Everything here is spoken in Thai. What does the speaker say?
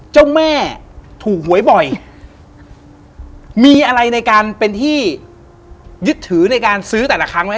เจ้าแม่ถูกหวยบ่อยมีอะไรในการเป็นที่ยึดถือในการซื้อแต่ละครั้งไหม